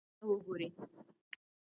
لیرې ځای ته وګورئ.